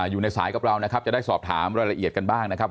อยู่ในสายกับเรานะครับจะได้สอบถามรายละเอียดกันบ้างนะครับ